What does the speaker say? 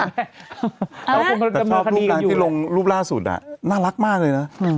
แต่ชอบลูกนางที่รุ่งโรลุปล่าสุดน่ารักมากเลยเนาะ